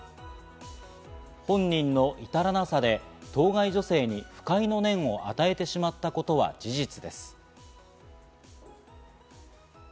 本人の至らなさで当該女性に不快の念を与えてしまったことは事実です。